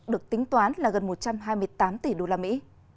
được tính toán là gần một trăm hai mươi tám tỷ đô la mỹ